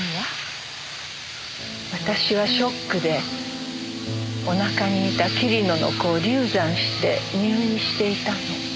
私はショックでお腹にいた桐野の子を流産して入院していたの。